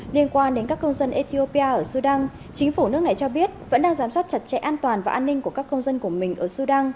liên quan đến các công dân ethiopia ở sudan chính phủ nước này cho biết vẫn đang giám sát chặt chẽ an toàn và an ninh của các công dân của mình ở sudan